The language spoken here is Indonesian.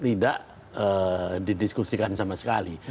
tidak didiskusikan sama sekali